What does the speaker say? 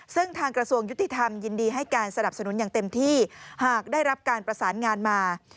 ซึ่งทางกระทรวงยุติธรรมยินดีให้การสนับสนุนอย่างเต็มที่หากได้รับการประสานงานมา